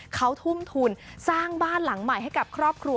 เขาทุ่มทุนสร้างบ้านหลังใหม่ให้กับครอบครัว